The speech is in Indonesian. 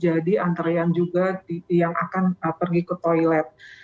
jadi antara yang juga yang akan pergi ke toilet